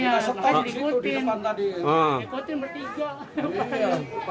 makanya diikutin ikutin bertiga